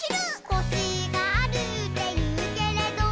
「コシがあるっていうけれど」